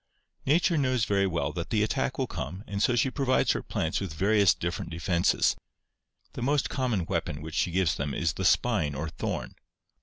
" Nature knows very well that the attack will come and so she provides her plants with various different defenses. The most common weapon which she gives them is the spine or thorn.